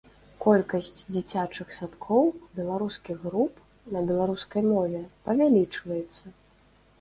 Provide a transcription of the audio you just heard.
Колькасць дзіцячых садкоў, беларускіх груп на беларускай мове павялічваецца.